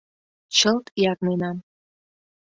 Чылт ярненам.